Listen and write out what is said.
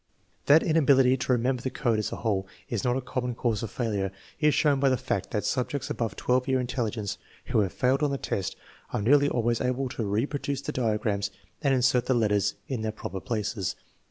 That inability to remember the code as a whole is not a common cause of failure is shown by the fact that subjects above 12 year intelligence who have failed on the test are nearly always able to reproduce the diagrams and insert the letters in their proper places.